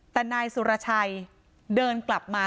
แต่นายสุรชัยเดินกลับมา